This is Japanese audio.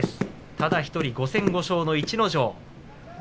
ただ１人、５戦５勝の逸ノ城。